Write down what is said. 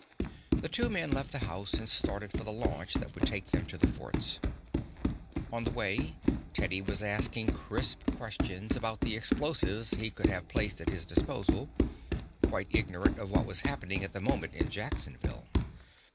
The two men left the house and started for the launch that would take them to the forts. On the way Teddy was asking crisp questions about the explosives he could have placed at his disposal, quite ignorant of what was happening at that moment in Jacksonville.